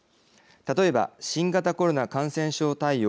例えば新型コロナ感染症対応